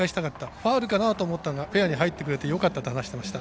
ファウルかなと思ったけどフェアに入ってくれてよかったと話していました。